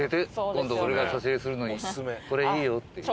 今度俺が差し入れするのにこれいいよっていう。